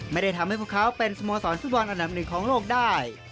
ไม่ได้ทำให้พวกเขาเป็นสโมสรฟุตบอลอันดับหนึ่งของโลกได้